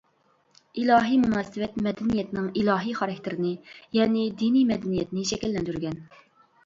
ئىلاھىي مۇناسىۋەت مەدەنىيەتنىڭ ئىلاھىي خاراكتېرىنى، يەنى دىنىي مەدەنىيەتنى شەكىللەندۈرگەن.